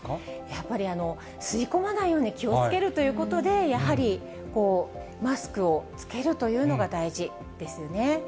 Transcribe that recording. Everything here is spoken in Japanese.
やっぱり吸い込まないように気をつけるということで、やはりマスクを着けるというのが大事ですよね。